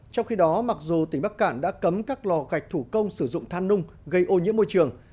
trong khi đó mặc dù tỉnh bắc cạn đã cấm các lò gạch thủ công sử dụng than nung gây ô nhiễm môi trường